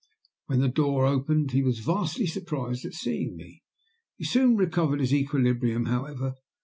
When the door opened he was vastly surprised at seeing me; he soon recovered his equilibrium, however.